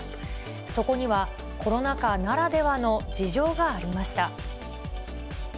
そこには、コロナ禍ならではの事情がありました。